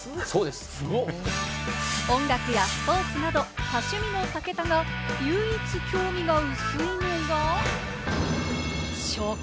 音楽やスポーツなど、多趣味の武田が唯一興味が薄いのが、食。